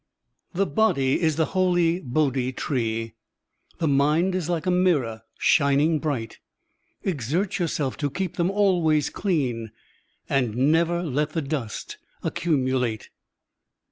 "The body is the holy Bodhi tree, The mind is like a mirror shining bright; Exert yoiirself to keep them always clean, And never let the diist accumulate."